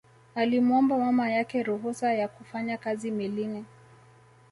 Alimuomba mama yake ruhusa ya kufanya kazi melini